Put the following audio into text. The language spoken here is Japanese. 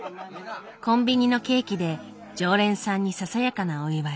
コンビニのケーキで常連さんにささやかなお祝い。